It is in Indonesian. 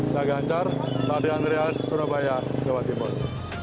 saya ganjar tade andrias surabaya jawa timur